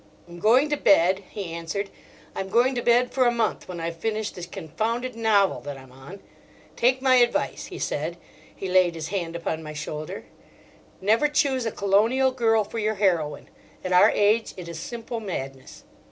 "I'm going to bed," he answered, "I'm going to bed for a month when I've finished this confounded novel that I'm on. Take my advice," he said—he laid his hand upon my shoulder—"Never choose a colonial girl for your heroine. At our age it is simple madness."